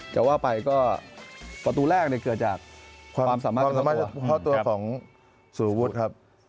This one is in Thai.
จะว่าไปก็ประตูแรกเกือบจากความสามารถเข้าตัวของศฺูฤษครับ